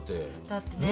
だってね